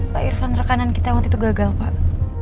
pak irfan rekanan kita waktu itu gagal pak